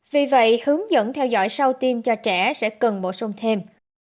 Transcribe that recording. vì vậy hướng dẫn theo dõi sau tiêm cho trẻ sẽ cần bổ sung thêm